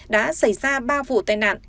đã xảy ra ba vụ tai nạn